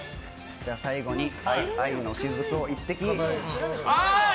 最後に愛のしずくを１滴。